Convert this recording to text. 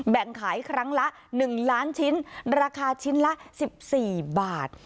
แบ่งขายครั้งละหนึ่งล้านชิ้นราคาชิ้นละสิบสี่บาท